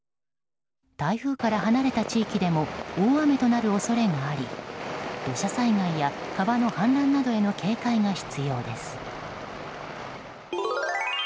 台風から離れた地域でも大雨となる恐れがあり土砂災害や川の氾濫などへの警戒が必要です。